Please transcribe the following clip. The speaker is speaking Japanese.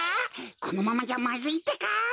このままじゃまずいってか！